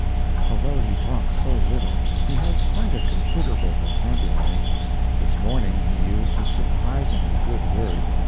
Although he talks so little, he has quite a considerable vocabulary. This morning he used a surprisingly good word.